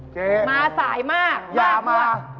เจ๊มาสายมากมาก